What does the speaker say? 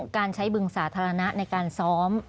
การใช้บึงสาธารณะในการซ้อม